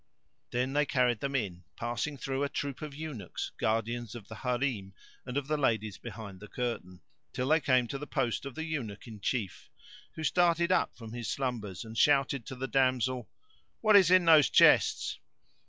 Then they carried them in, passing through a troop of eunuchs, guardians of the Harim and of the ladies behind the curtain, till they came to the post of the Eunuch in Chief[FN#563] who started up from his slumbers and shouted to the damsel "What is in those chests?"